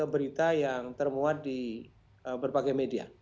berita yang termuat di berbagai media